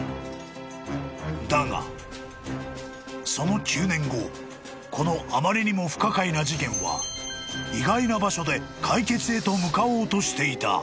［だがその９年後このあまりにも不可解な事件は意外な場所で解決へと向かおうとしていた］